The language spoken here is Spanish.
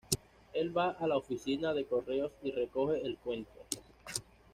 Él va a la oficina de correos y recoge el cuento.